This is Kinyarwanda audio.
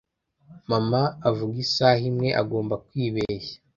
mama avuga isaha imwe; agomba kwibeshya